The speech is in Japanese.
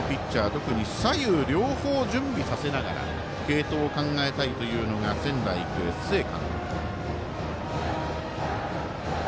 特に左右両方準備させながら継投を考えたいというのが仙台育英、須江監督。